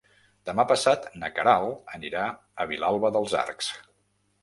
Demà passat na Queralt anirà a Vilalba dels Arcs.